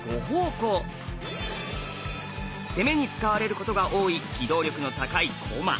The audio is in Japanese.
攻めに使われることが多い機動力の高い駒。